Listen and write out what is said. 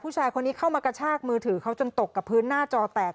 ผู้ชายคนนี้เข้ามากระชากมือถือเขาจนตกกับพื้นหน้าจอแตก